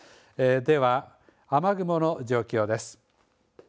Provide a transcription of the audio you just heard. では雨雲の状況です。